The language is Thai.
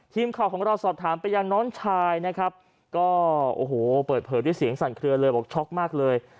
ทีมข่าวของเราสอบถามไปยังน้องชายนะครับก็โอ้โหเปิดเผยด้วยเสียงสั่นเคลือเลยบอกช็อกมากเลย